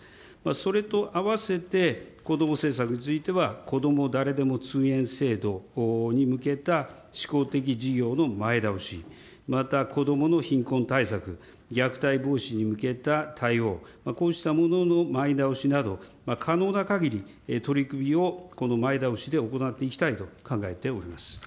それと合わせてこども政策については、こども誰でも通園制度に向けたしこう的事業を前倒し、また子どもの貧困対策、虐待防止に向けた対応、こうしたものの前倒しなど、可能なかぎり取り組みを前倒しで行っていきたいと考えております。